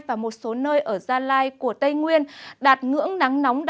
và một số nơi ở gia lai của tây nguyên đạt ngưỡng nắng nóng